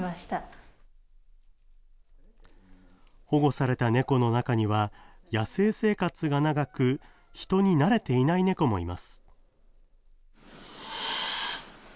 保護された猫の中には、野生生活が長く人に慣れていない猫もいます。